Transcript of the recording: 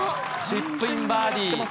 チップインバーディー。